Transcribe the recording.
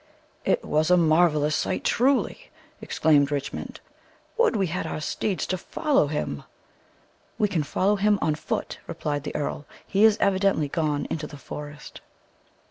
"It was a marvellous sight, truly!" exclaimed Richmond. "Would we had our steeds to follow him." "We can follow him on foot," replied the earl "he is evidently gone into the forest."